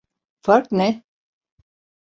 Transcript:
Fark ne?